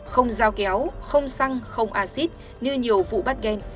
không giao kéo không xăng không acid như nhiều vụ bắt ghen